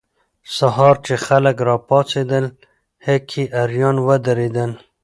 سهار چې خلک راپاڅېدل، هکي اریان ودرېدل.